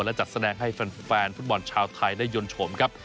และจัดแสดงให้แฟนฟุตบอลชาวไทยได้ยนต์ชมครับ